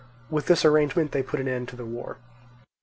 With this arrangement they put an end to the war.